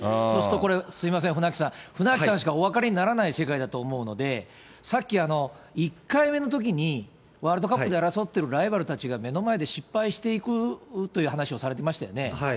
そうするとこれ、すみません、船木さん、船木さんしかお分かりにならない世界だと思うので、さっき、１回目のときに、ワールドカップで争っているライバルたちが目の前で失敗していくという話をされてましたよね。